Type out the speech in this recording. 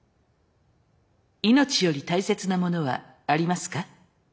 命より大切なものはありますか？